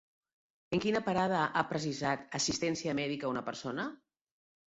En quina parada ha precisat assistència mèdica una persona?